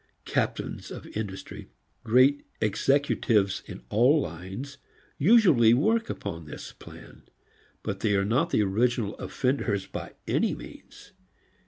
Captains of industry, great executives in all lines, usually work upon this plan. But they are not the original offenders by any means.